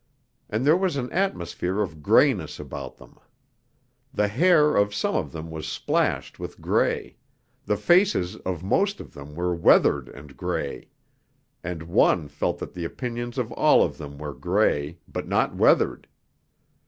And there was an atmosphere of greyness about them. The hair of some of them was splashed with grey; the faces of most of them were weathered and grey; and one felt that the opinions of all of them were grey, but not weathered.